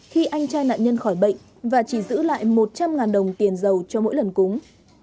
khi anh trai nạn nhân khỏi bệnh và chỉ giữ lại một trăm linh đồng tiền dầu cho mỗi lần cúng